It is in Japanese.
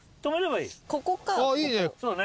いいね